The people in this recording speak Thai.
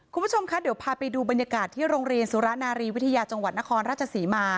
คุณผู้ชมคะเดี๋ยวพาไปดูบรรยากาศที่โรงเรียนสุรนารีวิทยาจังหวัดนครราชศรีมา